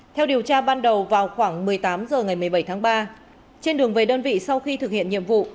theo điều tra ban đầu vào khoảng một mươi tám h ngày một mươi bảy tháng ba trên đường về đơn vị sau khi thực hiện nhiệm vụ